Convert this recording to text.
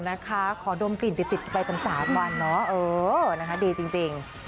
นะคะขอดมกลิ่นติดไป๓วันเนาะเออนะคะดีจริง